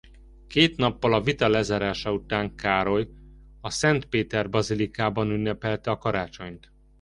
Két nappal a vita lezárása után Károly a Szent Péter-bazilikában ünnepelte a karácsonyt.